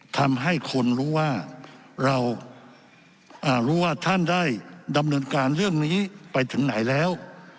ทำให้คนรู้ว่าเรารู้ว่าท่านได้ดำเนินการเรื่องนี้ไปถึงไหนแล้ว